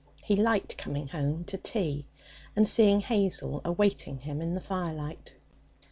He liked coming home to tea and seeing Hazel awaiting him in the firelight.